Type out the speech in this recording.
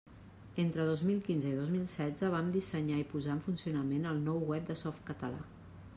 Entre dos mil quinze i dos mil setze, vam dissenyar i posar en funcionament el nou web de Softcatalà.